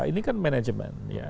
ini kan manajemen